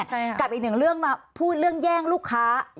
ใช่ค่ะกับอีกหนึ่งเรื่องมาพูดเรื่องแย่งลูกค้า